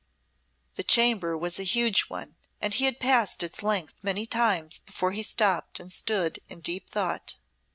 The chamber was a huge one and he had paced its length many times before he stopped and stood in deep thought.